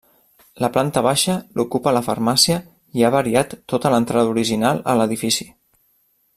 La planta baixa l'ocupa la farmàcia i ha variat tota l'entrada original a l'edifici.